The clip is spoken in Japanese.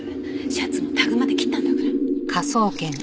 シャツのタグまで切ったんだから。